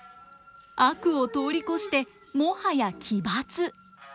悪を通り越してもはや奇抜。